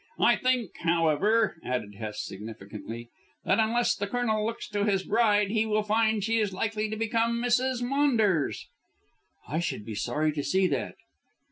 I think, however," added Hest significantly, "that unless the Colonel looks to his bride he will find she is likely to become Mrs. Maunders." "I should be sorry to see that."